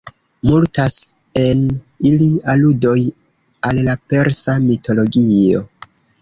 Multas en ili aludoj al la persa mitologio.